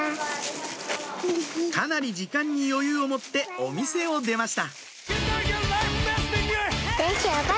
かなり時間に余裕を持ってお店を出ました